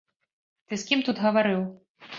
Ты з кім тут гаварыў?